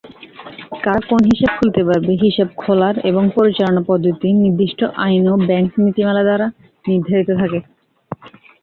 কারা কোন হিসাব খুলতে পারবে, হিসাব খোলার এবং পরিচালনা পদ্ধতি নির্দিষ্ট আইন ও ব্যাংক নীতিমালা দ্বারা নির্ধারিত থাকে।